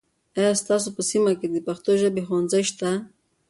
آیا ستا په سیمه کې د پښتو ژبې ښوونځي شته؟